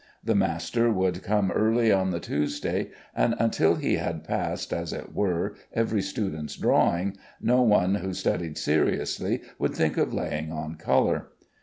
The master would come early on the Tuesday, and until he had passed, as it were, every student's drawing, no one who studied seriously would think of laying on color.